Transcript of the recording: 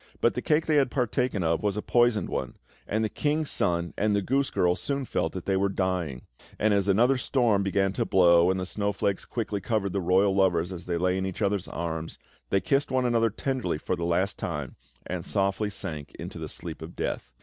But the cake they had partaken of was a poisoned one, and the King's Son and the goose girl soon felt that they were dying; and as another storm began to blow and the snowflakes quickly covered the royal lovers as they lay in each other's arms, they kissed one another tenderly for the last time, and softly sank into the sleep of death.